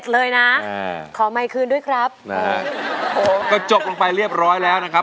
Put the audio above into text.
เลยนะอ่าขอไมค์คืนด้วยครับนะฮะโอ้โหก็จบลงไปเรียบร้อยแล้วนะครับ